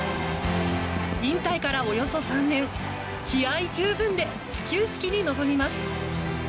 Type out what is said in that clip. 引退からおよそ３年気合十分で始球式に臨みます。